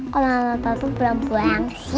kalau lama lama tau tuh berambu ambu yang si